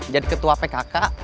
jadi ketua pkk